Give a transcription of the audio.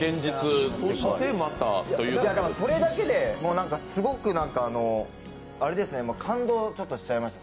それだけですごく感動ちょっとしちゃいました。